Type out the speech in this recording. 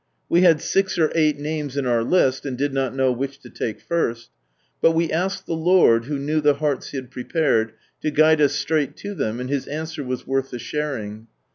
We had six or eight names in our list, and did not know which to take first ; but we asked the Lord, who knew the hearts He had prepared, to guide us straight to them, and His answer was worth the sharing.